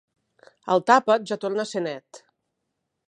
El tapet ja torna a ser net.